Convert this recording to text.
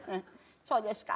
そうですか。